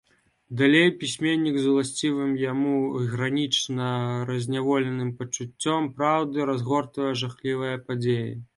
Далей пісьменнік з уласцівым яму гранічна разняволеным пачуццём праўды разгортвае жахлівыя падзеі.